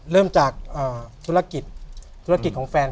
เริ่มจากธุรกิจธุรกิจของแฟน